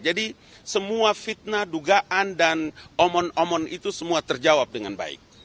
jadi semua fitnah dugaan dan omon omon itu semua terjawab dengan baik